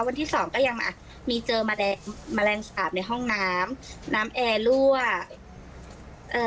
วันที่สองก็ยังอ่ะมีเจอแมลงแมลงสาบในห้องน้ำน้ำแอร์รั่วเอ่อ